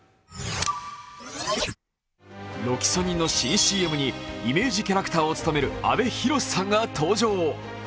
ロキソニンに新ＣＭにイメージキャラクターを務める阿部寛さんが登場。